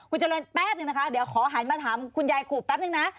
คุณเจริญแป๊บนึงนะคะเดี๋ยวขอหันมาถามคุณยายขู่แป๊บนึงนะ